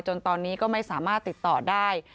จนตอนนี้ก็ไม่สามารถติดต่อได้